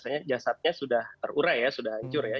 karena ini jasadnya sudah terurai ya sudah hancur ya